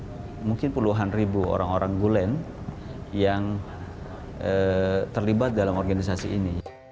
ada mungkin puluhan ribu orang orang gulen yang terlibat dalam organisasi ini